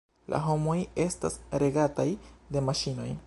La homoj estas regataj de maŝinoj.